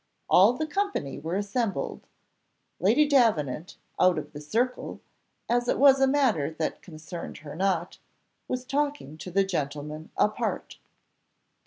All the company were assembled; Lady Davenant, out of the circle, as it was a matter that concerned her not, was talking to the gentlemen apart.